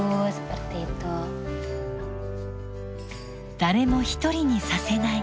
誰も一人にさせない。